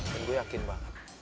dan gue yakin banget